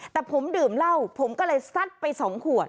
แต่ผมดื่มเหล้าผมก็เลยซัดไป๒ขวด